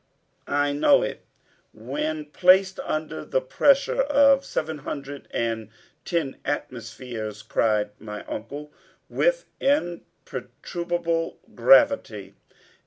"I know it; when placed under the pressure of seven hundred and ten atmospheres," cried my uncle with imperturbable gravity.